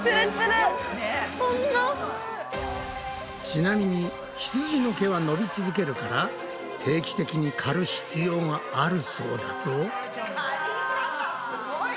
ちなみにひつじの毛は伸び続けるから定期的にかる必要があるそうだぞ。